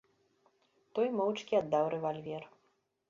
Той моўчкі аддаў рэвальвер.